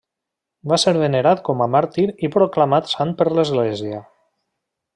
Va ser venerat com a màrtir i proclamat sant per l'Església.